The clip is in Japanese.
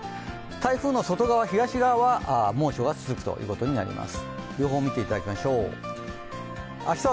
台風の外側、東側は猛暑が続くということになります。